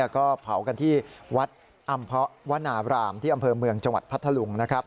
ก็เผากันที่วัดอำภาวนาบรามที่อำเภอเมืองจังหวัดพัทธลุงนะครับ